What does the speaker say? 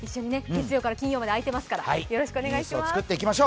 月曜から金曜まであいていますから、よろしくお願いします。